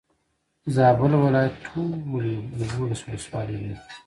زابل ولايت ټولي يولس ولسوالي لري.